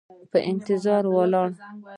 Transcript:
په انتظار ولاړه